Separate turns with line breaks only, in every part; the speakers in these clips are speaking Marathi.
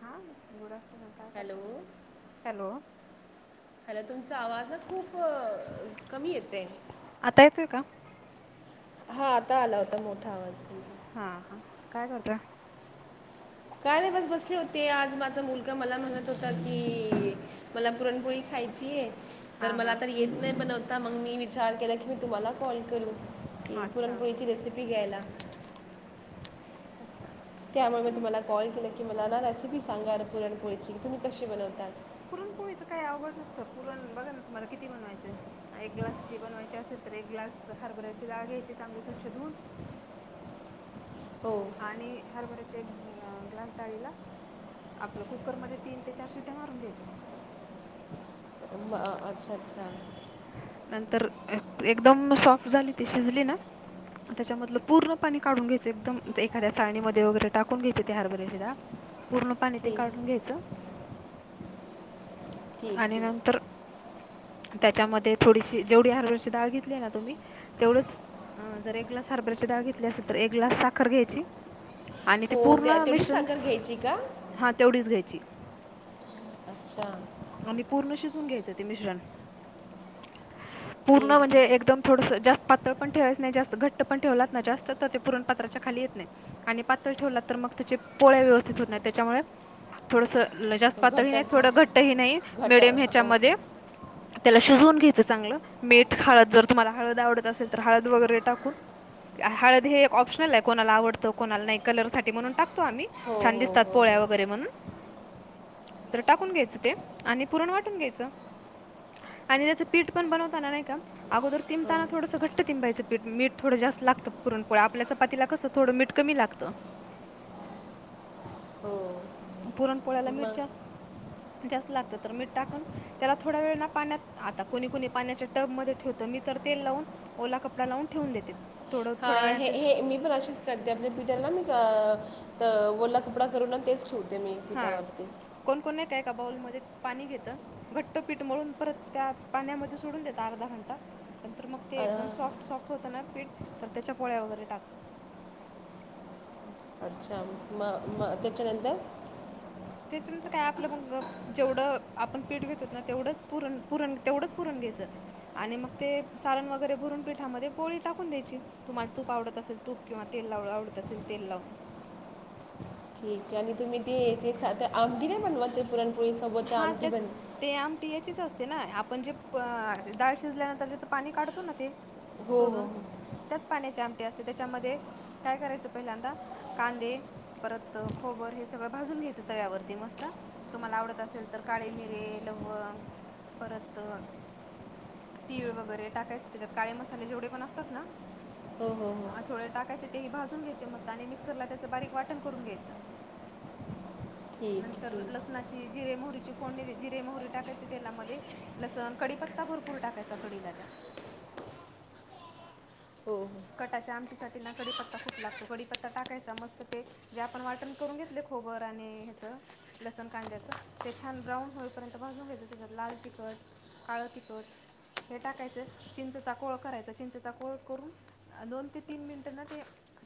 हां गुड आफ्टरनून काय करत हॅलो..
हॅलो तुमचा आवाज खूप कमी येतेय. हा आता आला होता मोठा आवाज.
हा हा काय करतय..
काय नाही बस बसले होते आज माझा मुलगा मला म्हणत होता की... मला पुरणपोळी खायची आहे... तर मला तर येत नाही पणव्हता मग मी विचार केला की मी तुम्हाला कॉल करू... कि पुरणपोळीची रेसिपी घ्यायला.. त्यामुळे मी तुम्हाला कॉल केला की मला ना रेसिपी सांगा र पुरणपोळीची की तुम्ही कशी बनवतात...
पुरणपोळी च काय? रण बघा ना तुम्हाला किती बनवायच एक ग्लासची बनवायची असेल तर एक ग्ला हरभऱ्यांची दा घ्यायची चांगली स्वच्छ धुून..
[inaudible]
आणि हरभरा्याचे एक ग्लास डाळीला आपलं कुकरमध्येध्ये तीन ते चार शिट्या मारून घ्यायच्या.
अच्छा अच्छा.
नंतर एकदम सॉफ्ट झाली. ती शिजली ना. त्याच्यामधलं पूर्ण पाणी काढून घ्यायचे एकदम, एखाद्या चाळणीमध्ये वगैरे टाकून घ्यायचे ते हरभऱ्याची डाळ. पूर्ण पाणी ते काढून घ्यायचं. आणि नंतर त्याच्यामध्ये थोडीशी जेवढी हरभरची डाळ घेतली ना तुम्ही? तेवढंच अ जर एक ग्लास हरबरची डाळ घेतली असेल तर, एक ग्लास साखर घ्यायची. आणि ते पूर्ण मिश्रण हा तेवढीच घ्यायची.
अच्छा.
आणि पूर्ण शिजून घ्यायच ते मिश्रण. पूर्ण म्हणजे एकदम थोडस जास्त पातळ पण ठेवायच नाही जास्त घट्ट पण ठेवलात ना जास्त तर ते पुरण पात्राच्या खाली येत नाही आणि पातळ ठेवलात तर मग त्याचे पोळ्या व्यवस्थित होत नाही त्याच्यामुळे थोडस जास्त पातळ नाही. थोडं घट्ट ही नाही. मिडीयम याच्यामध्ये त्याला शिजवून घ्यायचं. घ्यायच चांगलं. मीठ, हळद जर तुम्हाला हळद आवडत असेल तर हळद वगैरे टाकून. हळद हे एक ऑप्शनल आहे कोणाला आवडतं कोणाला नाही कलर साठी म्हणून टातो आम्ही छान दिसतात पोळ्या वगैरे म्हणून.
ह.
तर टाकून घ्यायचं ते आणि पुरण वाटून घ्यायचं.
ह.
आणि त्याचं पीठ पण बनवताना नाही का अगोदर तिबताना थोडंसं घट्ट तिंबायचं पीठ थोडं जास्त लागतं. पुरणपोळ्या. आपल्या चपातीला कस थोडं मीठ कमी लागत
[inaudible]
पुरणपोळ्याला मिठ जास्त जास्त लागत. तर, मीठ टाकून त्याला थोडा वेळ ना पाण्यात. आता कोणी कोणी पाण्याच्या टबमध्ये ठेवत मी तर तेल लावून ओला कपडा लावून ठेवून देते.
हा हे हे मी पण अशीच करते. आपल्या पिटला ना मी ओला कपडा करू ना तेच ठेवते मी पितावरती.
कोण कोणी ए एका बाउलमध्ये पाणी घेतं घट्ट पीठ मळून परत त्या पाण्यामध्ये सोडून देत अर्धा घंटा. नंतर मग ते एकदम सॉफ्ट सॉफ्ट होत ना पीठ. तर त्याच्या पोळ्या वगैरे टाकत.
अच्छा म म त्याच्या नंतर?
त्याच्यानंतर काय आपलं मग जेवढं आपण पीठ घेत होत ना तेवढंच पु पु तेवढंच पुरण. आणि मग ते सारण वगैरे भरून पिठामध्ये पोळी टाकून द्यायची तुम्हाला तूप आवडत असेल. तूप किंवा तेल लाव आवडत असेल तेल लावून.
[inaudible] आणि तुम्ही ते आमटी नाही बनवत? ते पुरणपोळी सोबत आमटी बन
ती याचीच असते ना? आपण जे डाळ शिजल्यानंतर त्याच पाणी काढतो ना ते? शोधून. त्याच पाण्याचे आमटे असते. त्याच्यामध्ये काय करायचं पहिल्यांदा कांदे परत खोबर हे सगळ भाजून घ्यायचं तव्यावरती मस्त तुम्हाला आवत असेल तर काळे मिरे, लवंग परत तीळ वगैरे टाकायचे त्याच्यात. काळे मसाले जेवढे पण असतात ना? हा थोडे टाकायचे. तेही भाजून घ्यायचे मस्त. आणि मिक्सर ला त्याच बारीक वाटण करून घ्यायच. नंतर लसणाची जिरे मोहरीची फोडणी जिरे मोहरी टाकायची तेलामध्ये लसण कडीपत्ता भरपूर टाकायचा कडीला त्या.
[inaudible]
कटाच्या आमटीसाठी ना कडीपत्ता खूप लागतो कडीपत्ता टाकायचा मस्त ते जे आपण वाटण करून घेतले खोबर आणि हच लसण कांद्याचं ते छान ब्राऊन होईपर्यंत भाजून घ्यायचं त्याच्यात लाल तिखट काळं तिपट हे टाकायचं चिंंतचा कोळ करायच चिंंतचा कोळ करून दोन ते तीन मिनिट ना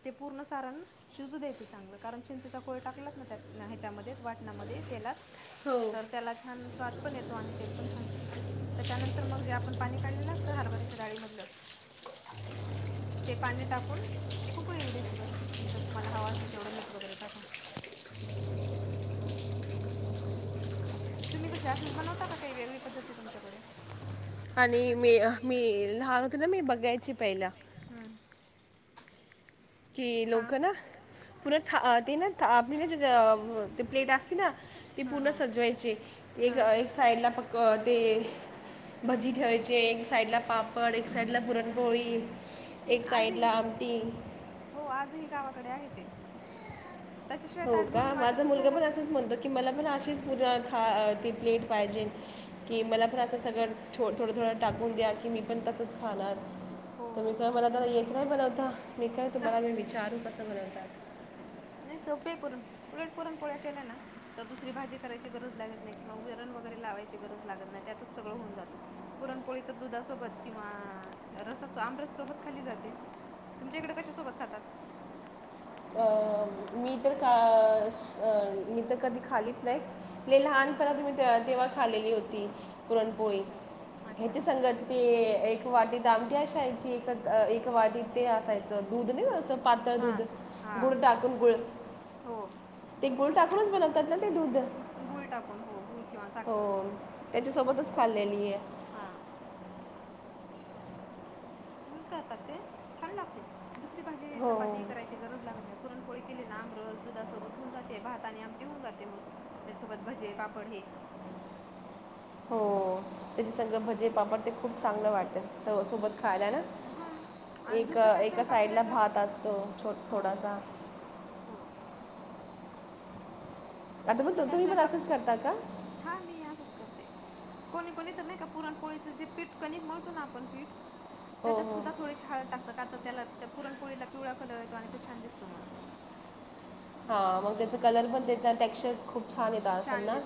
ते पूर्ण सारण शिजू द्यायच चांगलं कारण चिंचेचा कोळ ळ टाकला ह्याच्यामध्ये वाटणामध्ये तेलात तर त्याला छान स्वाद पण येतो आणि तेल पण छान सुटतं त्याच्यानंतर मग जे आपण पाणी काढलेलं असतं हरभऱ्याच्या डाळीमधलं
हम्
ते पाणी टाकून एकुकळी ये उ द्यायची बस तुमच्या तुम्हाला हवा असेल तेवढं मीठ वगैरे टाकू
[inaudible]
तुम्ही कसे असच बनवता का काही वेगळी पद्धती तुमच्याकडे आणि मी मी लहान होत ना मी बघायची पहिल्या
की लोक ना पूर्ण था ते ना थ आपलीला जे ज प्लेट असते ना ती पूर्ण सजवाल साईड ला प ते भजी ठेवायचे एक साइड ला पापड एक साइड ला पुरणपोळी एक साइड ला आमटी एकीन
हो आजही गावाकडे आहे ते
हो का माझा मुलगा पण असंच म्हणतो की मला पण अशीच पुरात हा तेी प्लेट पाहिजे की मला पण असं सगळं थो थोडं थोडं टाकून द्या की मी पण ते तच खा तर मी का मला एक नाही बनवता मी काय तू बला मी विचारू कसं बनव ता
नाही सोपे पुरण उलट पुरण पोळ्या केल्या ना तर दुसरी भाजी करायची ची गरज लागत नाही किंवा वरण वगैरे लावायची गरज लागत नाही त्यातच सगळं होऊन जातं पुरणपोळी तर दुधासोब किंवा रसा सो आमरस सोबत खाली जाते तुमच्या इकडे कश सोबत खातात
अ मी तर का मी तर कधी खालीच नाही मी लहानपणा मी ते तेव्हा खालेली होती पुरणपोळी ह्याचे संघ ते एक वाटी दमठीी असायची एक वाटी ते असायचं दूध नाही असं पातळ दूध गुड टाकून गुळ ते गुळ टाकूनच बनतात ना ते दूध
गुळ टाकून हो गु
हो त्याच्या सोबतच खाल्लेली आहे
तच करतात ते छान लागते दुसरी भाजी चपाती करायची गरज लागत नाही पुरणपोळी केली ना आमरस दूधासोबत होऊन जाते भात आणि आमटी होऊन जाते मग त्याच्यासोबत भा म्हजे बापड हे
[inaudible] त्याचे संग भजे पापड ते खूप चांगलं वाटतं सोबत खायला ना
आणि दुसरं काय स्वयंपाक करायचा हो हो हो दुसरा काय स्वयंपाक अस करत हा मी असंच करते कोणी कोणी तर नाही का पुरणपोळीच जे पीठ कनिक म्हळतो ना आपण पीठ तरस सुद्धा थोडीशी हळ टाकते काता त्याला त्या पुरणपोळीला पिवळा कलर येतो आणि तो छान दिसतो म्हणून
हा मग त्याचा कलर पण त्याचा टेक्चर खूप छान येत असल ना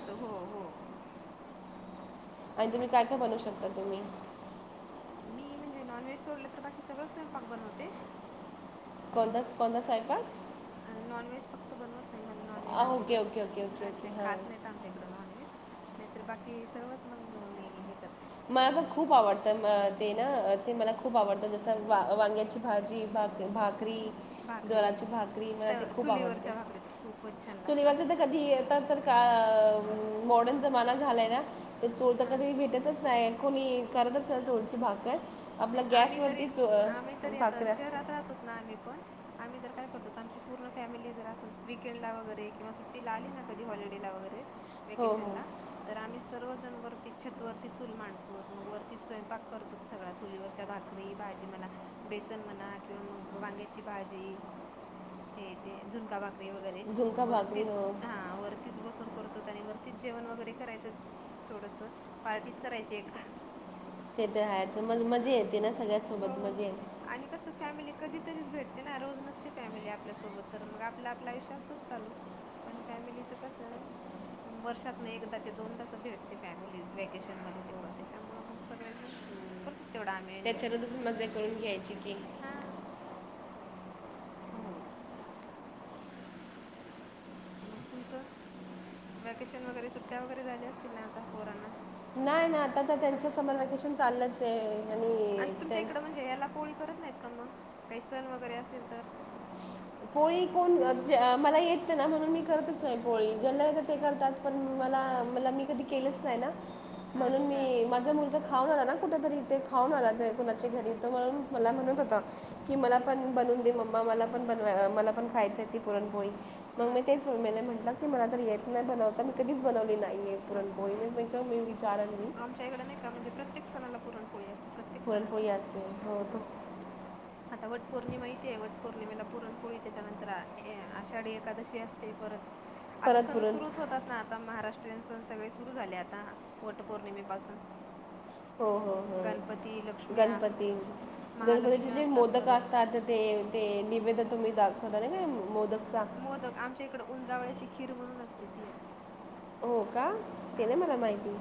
आणि तुम्ही काय काय बनू शकता तुम्ही
मी म्हणजे नॉनव्हेज सोडलं तर बाकी सगळं स्वयंपाक बनवते
कोणता कोणता स्वयपाक
बनवत नाही मला नॉन ववहेज आमच्या इकं अच्छे खात नाहीत आमच्या इकडे नॉन व्हेज नाहीतर बाकी सर्वच मंग मी हे करत
मला मग खूप आवडतं ते ना ते मला खूप आवडतं जस वांग्याची भाजी भाकरी जराची भाकरी मला ते खूप आवडते कधी येतात तर काय मॉर्डन जमाना झालाय ना? त चोर तर कधी भेटतच नाही कोणी करतच [unintelligible] भाकर आपल्या गॅस वरती भाकरी असते.
राहतात ना आणि पण आम्ही तर काय करतो आमची पूर्ण फॅमिली जर असं विकेंडला वगैरे किंवा सुट्टीला आली ना कधी हॉलिडेला वगैरे वेकेशनला तर आम्हीस वर जाऊन छत वरती चूल मांडतो मग वरती स्वयंपाक करतो सगळ्या चुलीवरच्या भाकरी भाजी म्हणा बेसन म्हणा किंवा मग वांग्याची भाजी हे ते झुणका भाकर री वगैरे वरतीच हा वरतीच बसून करतो आणि वरतीच जेवण वगैरे करायचं थोडंसं पार्टीच करायची एक
ते तर राहायचं मजे मज्जा येते ना, सगळ्यां सोबत मज्जा येत
कधी तरीच भेटते ना रोज नसते फॅमिली आपल्यासोबत, तर मग आपलं आपलं आयुष्य असतच चालू पण काय वर्षात एकदा ते दोनदा भेटते फॅमिली वेकेशन मध्ये तेवढं त्याच्यामुळे मग सगळे जण कर तेवढं आम्ही एन्जॉय हा हो. मग तुमचं वेकेशन वगैरे, सुट्टया वगैरे झाल्या असतील ना आता पोरांना?
नाही ना आता तर त्यांच समर वॅकेशन चाललंचये आणि त्यां
करत नाहीत का मग काही सण वगैरे असेल तर
कोळी कोण? अ मजे मला येत ना म्हणून मी करतच नाही पोळी ज्या ते करतात पण मला म मी कधी केलेच नाही ना? म्हणून मी माझा मुल तर खाऊन आला ना, कुठं तरी ते खाऊन आला ते कुणाच्या घरी तर म्हणून मला म्हणून हो की मला पण बनवून दे मम्मा मला पण बनवा मला पण खायचं आहे ती पुरणपोळी मग मी तेच मम्मेला म्हटलं की मला तर येत नाही, बनवता मी कधीच बनवली नाहीये पुरणपोळी मी [unintelligible] विचारेन मी
नाही का म्हणजे प्रत्येक सणाला पुरणपोळी असतें प्रत्येक सणाला हो आता वटपौर्णिमा येतीये वटपौर्णिमेला पुरणपोळी त्याच्यानंतर आ ये आषाढी एक एकादशी असतें परत आता सण सुरुच होतात ना आता महाराष्ट्र तेन सण सगळे सुरू झाले आता पटपौर्णिमेपसून
हो हो हो. गणपती गणपतीचे जे मोदक असतात ते ते निवेद तुम्ही दाखवता का मोदकचा
मोदक आमच्या इकडं उंदरावळची खीर म्हणून असतें ती असते.
हो का ते नाही मला माहिती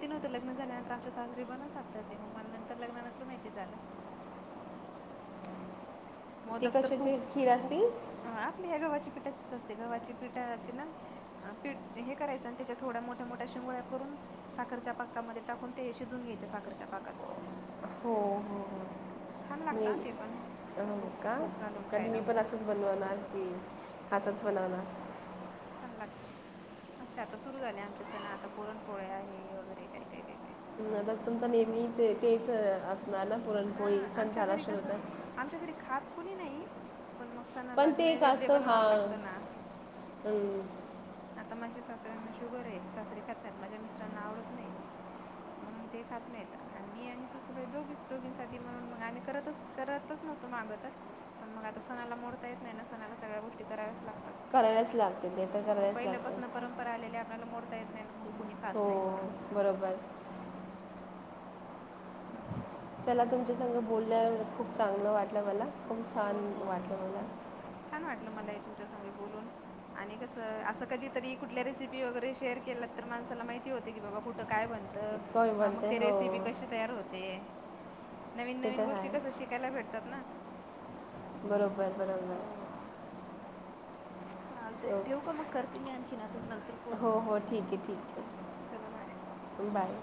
ते नव्हत लग्न झाल्यानंतर आमच्या सासरी बनवतात ते मग म नंतर लग्नानंतर माहिती झालं
ते कशाचे खीर असतील?
आपल्या गव्हाच्या पिठाचे असतें गव्हाच्या पिठाची ना हे करायचं आणि त्याच्या थोड्या मोठ्या मोठ्या शिंगुळ्या करून साखरच्या पाकामध्ये टाकून ते शिजून घ्यायचे साखरच्या पाकात
हो.
छान लागतं हा ते पण
हो का? कधी मी पण असंच बनवल असचं बनवणार
असंतय आता सुरु झाले, आमचे सण आता पुरणपोळया हे वगैरे काय काय काय
[unintelligible] तुमचं नेहमीच तेच असणार ना पुरणपोळी सण झाला शुरू तर
आमच्या घरी खात कुणी नाही पण मग सणाला नैवेद्य दाखवतात बनवावा लागतो ना आता माजे सासऱ्यांना शुगर आहे सासरे खात माझ्या मिस्टरांना आवडत नाही म्हणून ते खात नाही मी आणि सासूबाई दोघी दोघींसाठी म्हणून मग आम्ही करतच करतच नव्हतो मग अगोदर तर पण मग आता सणाला मोडता येत नाही ना सणाला सगळ्या गोष्टी कराव्याच लागतात.
करायलाच लागते ते तर करायलाच लागते.
येत नाही ना मग कुणी खात नाही म्हणून बरोबरये [unintelligible]
चला तुमच्या संग बोलल्या खूप चांगलं वाटलं मला खूप छान वाटलं मला.
छान वाटलं मला इथं तुमच्या संग बोलुन आणि कसं असं‌ कधीतरी कुठल्या रेसिपी वगैरे शेअर केलात तर माणसाला माहिती हो ते की बाबा कुठं काय बनतं किंवा मग ते रेसिपी कशी होते, नवीन नवीन गोष्टी कसं शिकायला भेटतात ना
बरोबर बरोबर.
चालतंय ठेवू का मग करते मी आणि
हो हो ठीक आहे ठीक आहे बाय.